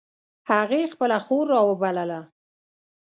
هغې خپله خور را و بلله